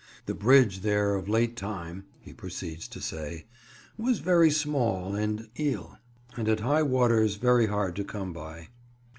The Bridge ther of late tyme," he proceeds to say, "was very smalle and ille, and at high Waters very hard to come by.